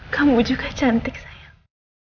kamu juga cantik sayang